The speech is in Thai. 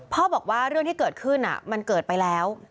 บอกว่าเรื่องที่เกิดขึ้นมันเกิดไปแล้ว